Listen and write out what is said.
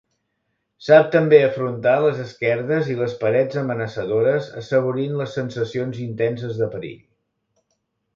Sap també afrontar les esquerdes i les parets amenaçadores, assaborint les sensacions intenses de perill.